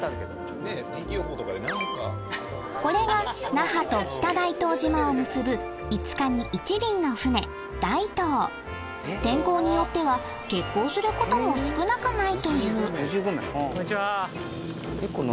これが那覇と北大東島を結ぶ５日に１便の船だいとう天候によっては欠航することも少なくないというこんにちは。